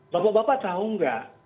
bapak bapak tau nggak